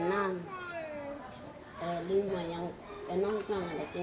lima yang enam kan ada tiga ada tiga